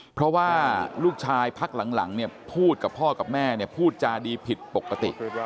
เพราะว่าลูกชายพักหลังเนี่ยพูดกับพ่อกับแม่พูดจาดีผิดปกติ